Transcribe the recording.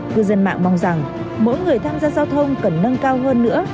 cư dân mạng mong rằng mỗi người tham gia giao thông cần nâng cao hơn nữa